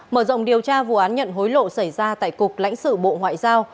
mở rộng điều tra vụ án nhận hối lộ xảy ra tại cục lãnh sự bộ ngoại giao